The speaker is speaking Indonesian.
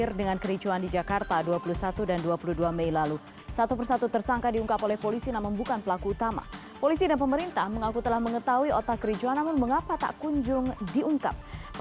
pemeriksaan kepada persangka yang sudah kita tangkap